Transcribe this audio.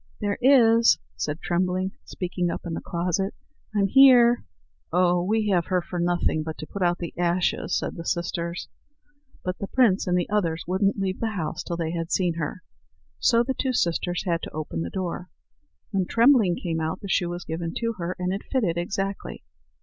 "There is," said Trembling, speaking up in the closet; "I'm here." "Oh! we have her for nothing but to put out the ashes," said the sisters. But the prince and the others wouldn't leave the house till they had seen her; so the two sisters had to open the door. When Trembling came out, the shoe was given to her, and it fitted exactly.